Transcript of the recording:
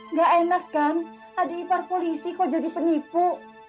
nggak enak kan ada ipar polisi kok jadi penipu